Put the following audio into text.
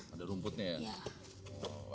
ada rumputnya ya